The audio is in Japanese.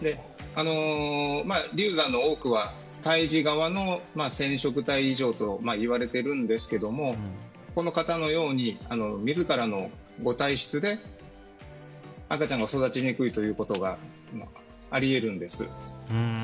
流産の多くは、胎児側の染色体異常といわれていますがこの方のように自らのご体質で赤ちゃんが育ちにくいことがあり得るんです。